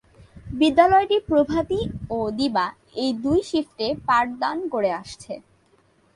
বিদ্যালয়টি প্রভাতি ও দিবা-এই দুই শিফটে পাঠদান করে আসছে।